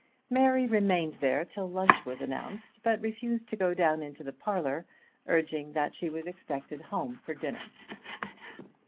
Mary remained there till lunch was announced but refused to go down into the parlour, urging that she was expected home for dinner.